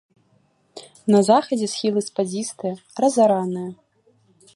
На захадзе схілы спадзістыя, разараныя.